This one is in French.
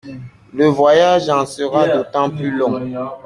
Le voyage en sera d’autant plus long.